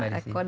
ya mari sih